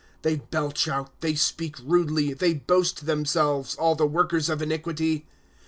* They belch out, they speak rudely, They boast themselves, al! the workers of iniquity.